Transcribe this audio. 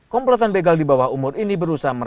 komplotan begal di bawah umur ini berusaha menangkap